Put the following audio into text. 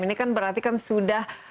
ini kan berarti kan sudah